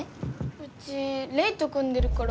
うちレイと組んでるから。